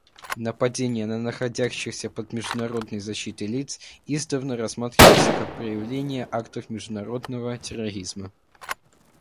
Нападения на находящихся под международной защитой лиц издавна рассматриваются как проявление актов международного терроризма.